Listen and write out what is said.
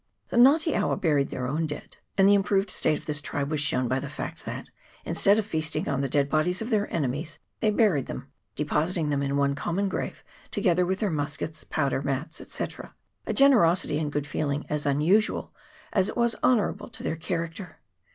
The Nga te awa buried their own dead ; and the improved state of this tribe was shown by the fact that, instead of feasting on the dead bodies of their enemies, they buried them, depositing them in one common grave, together with their muskets, powder, mats, &c., a generosity and good feeling as unusual as it was honourable to their character.